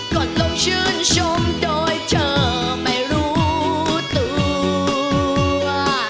กดลงชื่นชมโดยเธอไม่รู้ตัว